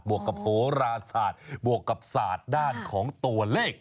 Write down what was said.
วกกับโหราศาสตร์บวกกับศาสตร์ด้านของตัวเลข